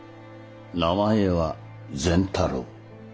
名前は善太郎。